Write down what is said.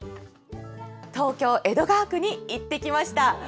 東京・江戸川区に行ってきました。